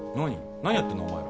何やってんのお前ら。